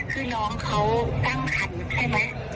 คือน้องเขาตั้งคันใช่ไหม